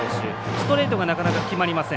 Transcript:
ストレートがなかなか決まりません。